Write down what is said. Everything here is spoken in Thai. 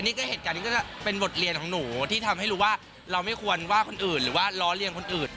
นี่ก็เหตุการณ์นี้ก็จะเป็นบทเรียนของหนูที่ทำให้รู้ว่าเราไม่ควรว่าคนอื่นหรือว่าล้อเลียนคนอื่น